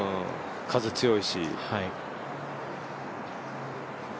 風強いし。